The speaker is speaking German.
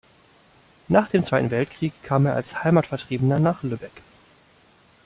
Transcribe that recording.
Nach dem Zweiten Weltkrieg kam er als Heimatvertriebener nach Lübeck.